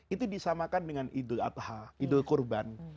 itu disamakan dengan idul adha idul kurban